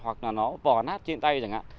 hoặc là nó vò nát trên tay chẳng hạn